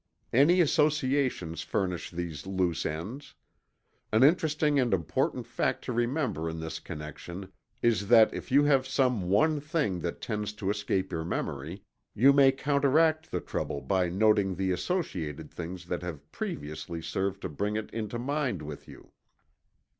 Any associations furnish these loose ends. An interesting and important fact to remember in this connection is that if you have some one thing that tends to escape your memory, you may counteract the trouble by noting the associated things that have previously served to bring it into mind with you.